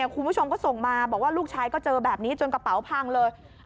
คุณผู้ชมก็ส่งมาบอกว่าลูกชายก็เจอแบบนี้จนกระเป๋าพังเลย